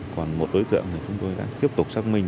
còn một đối tượng chúng tôi đã tiếp tục xác minh